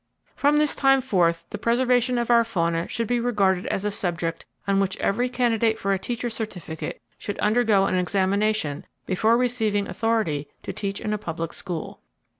From this time forth, the preservation of our fauna should be regarded as a subject on which every candidate for a teacher's certificate should undergo an examination before receiving authority to teach in a public school.